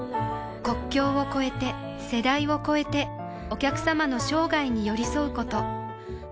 国境を超えて世代を超えてお客様の生涯に寄り添うこと